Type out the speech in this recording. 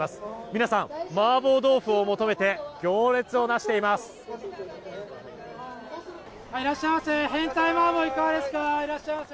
皆さん、マーボー豆腐を求めて行列を成しています。